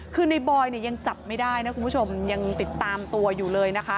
คือในบอยเนี่ยยังจับไม่ได้นะคุณผู้ชมยังติดตามตัวอยู่เลยนะคะ